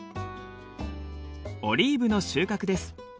オリーブの収穫です。